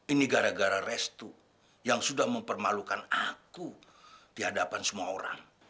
ini gara gara restu yang sudah mempermalukan aku di hadapan semua orang